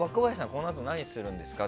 このあと何するんですか？